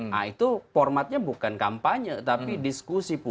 nah itu formatnya bukan kampanye tapi diskusi publik